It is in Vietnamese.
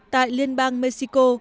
tại liên bang mexico